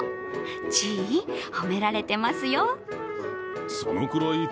チー、褒められてますよ。